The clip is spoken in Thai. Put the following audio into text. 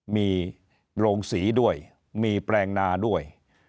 มีโรงสีด้วยมีแปลงนาด้วย